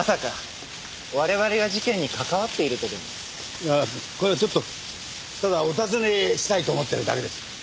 いやこれはちょっとただお尋ねしたいと思ってるだけです。